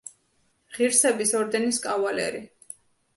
ღირსების ორდენის კავალერი.